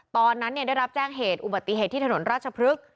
ตอนนั้นได้รับแจ้งเหตุอุบัติเหตุที่ถนนราชพฤกษ์